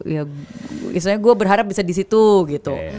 ya istilahnya gue berharap bisa di situ gitu